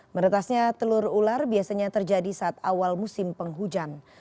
meretasnya telur ular biasanya terjadi saat awal musim penghujan